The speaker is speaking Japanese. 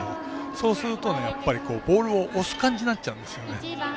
そうすると、ボールを押す感じになっちゃうんですよね。